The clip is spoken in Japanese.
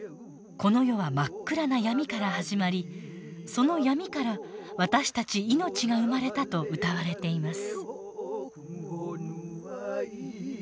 この世は真っ暗な闇から始まりその闇から私たち命が生まれたと歌われています。